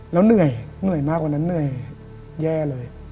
แล้วเหนื่อยเหนื่อยมากกว่านั้นเหนื่อยแย่เลย